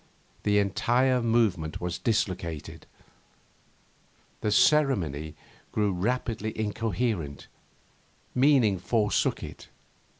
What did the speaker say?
The entire movement was dislocated; the ceremony grew rapidly incoherent; meaning forsook it.